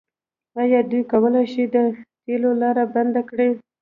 آیا دوی کولی شي د تیلو لاره بنده کړي؟